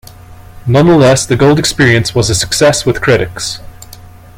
Nonetheless, "The Gold Experience" was a success with critics.